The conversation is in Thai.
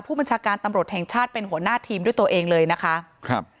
ผู้บัญชาการตำรวจแห่งชาติเป็นหัวหน้าทีมด้วยตัวเองเลยนะคะครับ